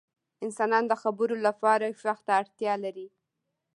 • انسانان د خبرو لپاره ږغ ته اړتیا لري.